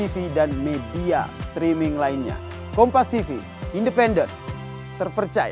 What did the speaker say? lumayan lah pak dua ratus ribu